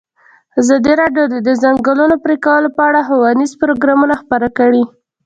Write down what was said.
ازادي راډیو د د ځنګلونو پرېکول په اړه ښوونیز پروګرامونه خپاره کړي.